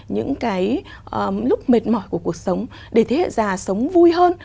những cái lúc mệt mỏi của cuộc sống để thế hệ già sống vui hơn